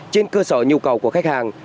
trên cơ sở nhu cầu của khách hàng